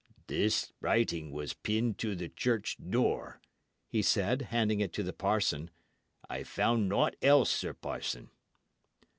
"This writing was pinned to the church door," he said, handing it to the parson. "I found naught else, sir parson."